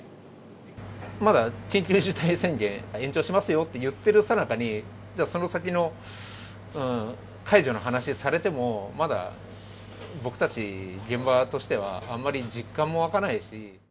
まだ緊急事態宣言延長しますよって言っているさなかに、じゃあ、その先の解除の話されても、まだ僕たち現場としては、ただ。